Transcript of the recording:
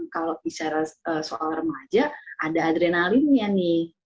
kalau bicara soal remaja ada adrenalinnya nih